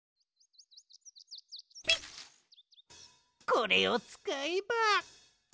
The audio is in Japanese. これをつかえば。